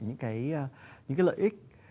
những cái lợi ích